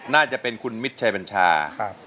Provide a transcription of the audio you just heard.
น่าจะเป็นคุณมิดชัยบัญชาครับ